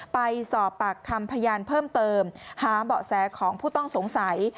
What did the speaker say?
ไปสอบปากคำพยานเพิ่มเติมหาเบาะแสของผู้ต้องสงสัย